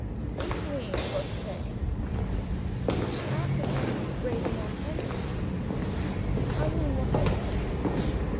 "Do you mean what you say?" She answered him gravely on her side. "I mean what I say."